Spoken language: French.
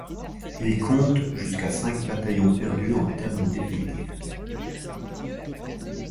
Il compte jusqu'à cinq bataillons perdus en termes d'effectif.